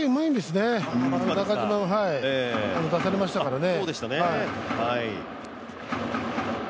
中島出されましたからね。